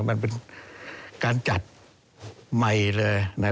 มันเป็นการจัดใหม่เลย